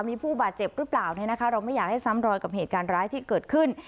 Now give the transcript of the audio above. มีผู้บาดเจ็บหรือเปล่าเนี่ยนะคะเราไม่อยากให้ซ้ำรอยกับเหตุการณ์ร้ายที่เกิดขึ้น